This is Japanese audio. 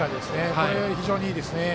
これが非常にいいですね。